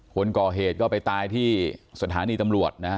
คนก่อเหตุก็ไปตายที่สถานีตำรวจนะฮะ